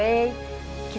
nama yang bagus